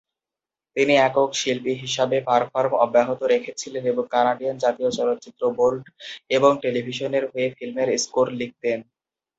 তিনি একক শিল্পী হিসাবে পারফর্ম অব্যাহত রেখেছিলেন এবং কানাডিয়ান জাতীয় চলচ্চিত্র বোর্ড এবং টেলিভিশনের হয়ে ফিল্মের স্কোর লিখতেন।